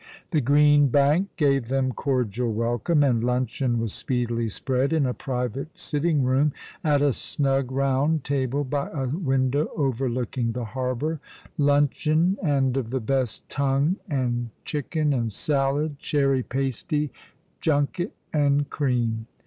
The Green Bank gave them cordial welcome, and luncheon was speedily spread in a private sitting room, at a snug round table by a window overlooking the harbour — luncheon, and of the best, tongue and chicken, and salad, cherry pasty, junket and cream.